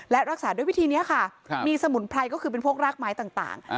และรักษาด้วยวิธีนี้ค่ะมีสมุนไพรก็คือเป็นพวกรากไม้ต่าง